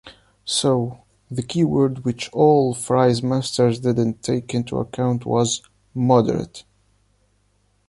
So, the keyword which all fries-masters didn’t take into account was - moderate.